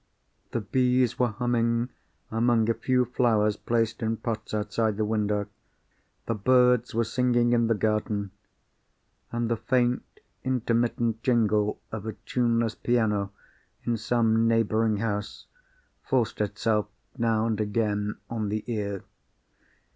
The bees were humming among a few flowers placed in pots outside the window; the birds were singing in the garden, and the faint intermittent jingle of a tuneless piano in some neighbouring house forced itself now and again on the ear.